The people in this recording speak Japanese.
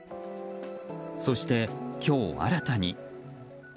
そして、今日新たに。